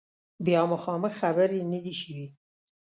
بیا مخامخ خبرې نه دي شوي